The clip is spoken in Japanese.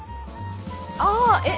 ああえっ